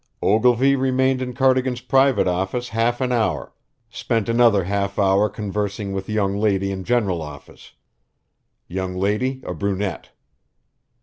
Ogilvy remained in Cardigan's private office half an hour, spent another half hour conversing with young lady in general office. Young lady a brunette.